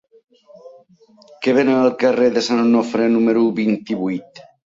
Què venen al carrer de Sant Onofre número vint-i-vuit?